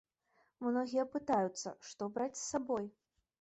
Многія пытаюць, што браць з сабой?